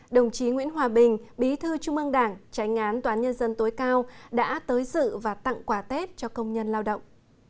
đồng chí nguyễn hòa bình bí thư trung ương đảng tránh án toán nhân dân tối cao đã tới dự và tặng quà tết cho công nhân lao động